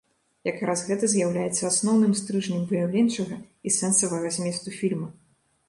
Якраз гэта з'яўляецца асноўным стрыжнем выяўленчага і сэнсавага зместу фільма.